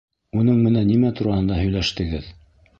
Уның менән нимә тураһында һөйләштегеҙ?